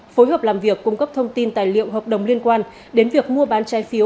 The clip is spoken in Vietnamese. phối hợp làm việc cung cấp thông tin tài liệu hợp đồng liên quan đến việc mua bán trái phiếu